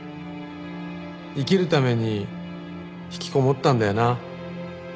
「生きるために引きこもったんだよな」